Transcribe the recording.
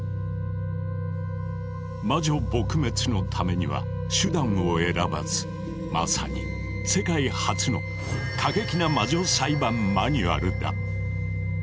魔女撲滅のためには手段を選ばずまさに世界初の過激な魔女裁判マニュアルだ。